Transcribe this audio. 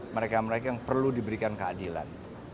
mereka mereka yang perlu diberikan keadilan